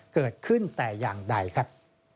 เกิดขึ้นแต่อย่างใดครับ